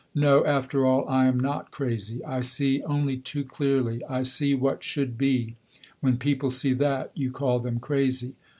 "No, after all, I am not crazy; I see only too clearly I see what should be; when people see that, you call them crazy.